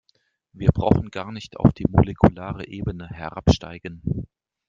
Wir brauchen gar nicht auf die molekulare Ebene herabsteigen.